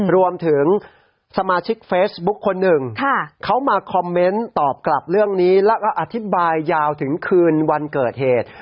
รวมถึงสมาชิกเฟซบุ๊คคนหนึ่งเขามาคอมเมนต์ตอบกลับเรื่องนี้แล้วก็อธิบายยาวถึงคืนวันเกิดเหตุ